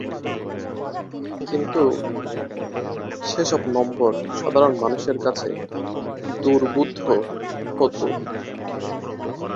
কিন্তু সেসব নম্বর সাধারণ মানুষের কাছে দুর্বোধ্য হতো।